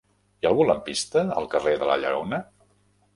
Hi ha algun lampista al carrer de la Lleona?